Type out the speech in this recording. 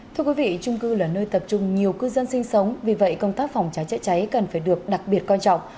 thưa quý vị trung cư là nơi tập trung nhiều cư dân sinh sống vì vậy công tác phòng trái cháy cháy cần phải được đặc biệt quan trọng